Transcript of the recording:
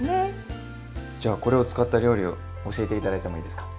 じゃあこれを使った料理を教えて頂いてもいいですか。